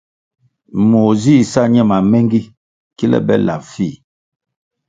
Moh zih sa ñe mamengi kile be lap fih.